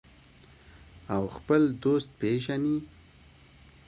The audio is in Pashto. او خپل دوست پیژني.